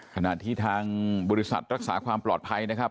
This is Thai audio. ขณะที่ทางบริษัทรักษาความปลอดภัยนะครับ